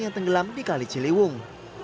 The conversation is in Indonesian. yang tenggelam di kaliciliwung